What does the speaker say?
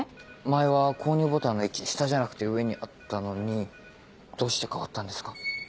前は購入ボタンの位置下じゃなくて上にあったのにどうして変わったんですか？